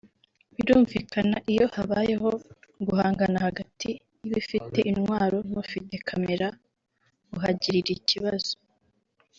Birumvikana iyo habayeho guhangana hagati y’ifite intwaro n’ufite camera uhagirira ikibazo